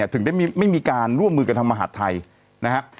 ถึงได้ไม่มีการร่วมมือกับทางมหาดไทยนะครับ